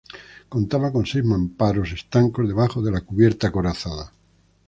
Contaba con seis mamparos estancos debajo de la cubierta acorazada.